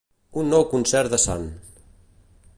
Un nou concert de Sant.